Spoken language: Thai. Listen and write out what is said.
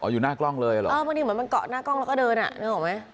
อยู่หน้ากล้องเลยเหรอเออบางทีเหมือนมันเกาะหน้ากล้องแล้วก็เดินอ่ะนึกออกไหม